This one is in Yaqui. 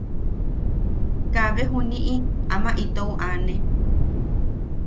Kaabe juniʼi ama itou aane.